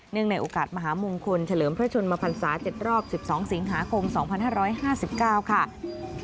ในโอกาสมหามงคลเฉลิมพระชนมพันศา๗รอบ๑๒สิงหาคม๒๕๕๙ค่ะ